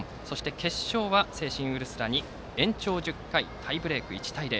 決勝は聖心ウルスラに延長１０回タイブレーク１対０。